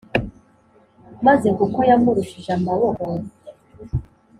Maze kuko yamurushije amaboko